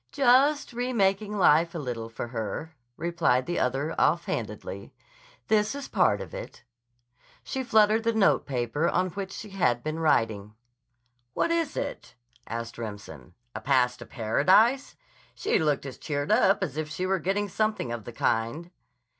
"Just remaking life a little for her," replied the other offhandedly. "This is part of it." She fluttered the note paper on which she had been writing. "What is it?" asked Remsen. "A pass to Paradise? She looked as cheered up as if she were getting something of the kind."